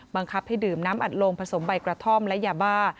บังคับให้ดื่มน้ำอัดโลงผสมใบกระท่อมและยาบ้า